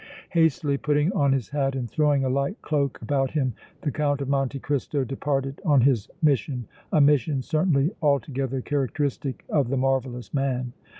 Hastily putting on his hat and throwing a light cloak about him, the Count of Monte Cristo departed on his mission, a mission certainly altogether characteristic of the marvellous man.